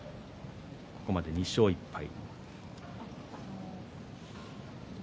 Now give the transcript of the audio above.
ここまで、２勝１敗。